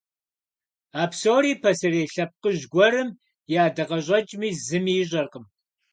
А псори пасэрей лъэпкъыжь гуэрым и ӀэдакъэщӀэкӀми зыми ищӀэркъым.